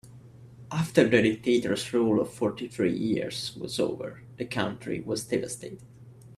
After the dictator's rule of fourty three years was over, the country was devastated.